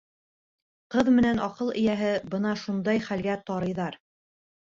Ҡыҙ менән аҡыл эйәһе бына шундай хәлгә тарыйҙар.